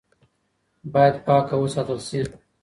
باید پاکه وساتل شي.